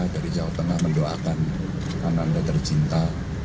dari jawa tengah mendoakan karena anda tercinta